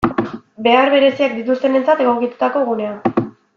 Behar bereziak dituztenentzat egokitutako gunea.